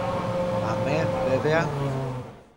Αμέ βέβαια!